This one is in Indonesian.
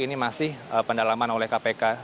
ini masih pendalaman oleh kpk